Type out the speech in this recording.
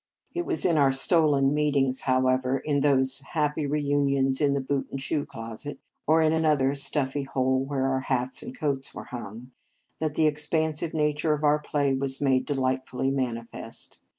It was in our stolen meetings, how ever, in those happy reunions in the boot and shoe closet, or in another stuffy hole where our hats and coats were hung, that the expansive nature of our play was made delightfully manifest.